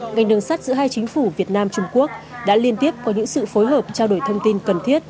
ngành đường sắt giữa hai chính phủ việt nam trung quốc đã liên tiếp có những sự phối hợp trao đổi thông tin cần thiết